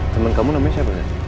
temen kamu namanya siapa